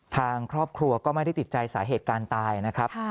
ทางครอบครัวก็ไม่ได้ติดใจสาเหตุการณ์ตายนะครับ